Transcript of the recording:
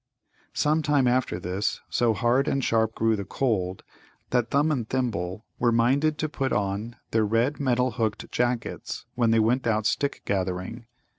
Some time after this, so hard and sharp grew the cold that Thumb and Thimble were minded to put on their red metal hooked jackets when they went out stick gathering.